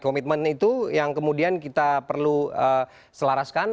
komitmen itu yang kemudian kita perlu selaraskan